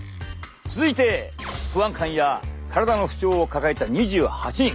続いて不安感や体の不調を抱えた２８人。